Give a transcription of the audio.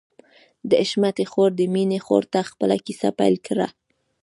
د حشمتي خور د مينې خور ته خپله کيسه پيل کړه.